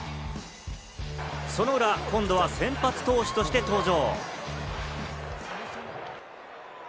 その裏、今度は先発投手として登場。